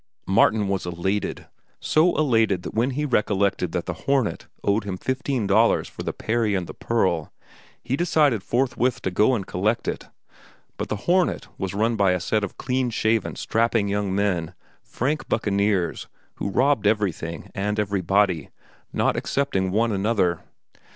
Martin was elated—so elated that when he recollected that The Hornet owed him fifteen dollars for "The Peri and the Pearl," he decided forthwith to go and collect it. But The Hornet was run by a set of clean shaven, strapping young men, frank buccaneers who robbed everything and everybody, not excepting one another.